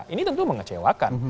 ini tentu mengecewakan